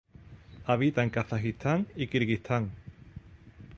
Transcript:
Habita en Kazajistán y Kirguistán.